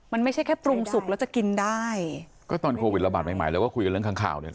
มันไม่ใช่แค่ปรุงสุกแล้วจะกินได้ก็ตอนโควิดระบาดใหม่ใหม่เราก็คุยกันเรื่องค้างข่าวเนี่ย